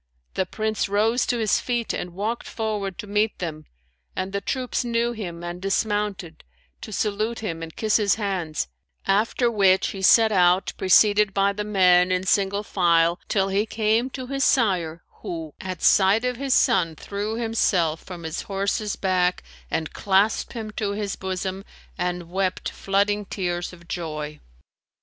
The Prince rose to his feet and walked forward to meet them; and the troops knew him and dismounted, to salute him and kiss his hands: after which he set out preceded by the men in single file till he came to his sire, who, at sight of his son threw himself from his horse's back and clasped him to his bosom and wept flooding tears of joy.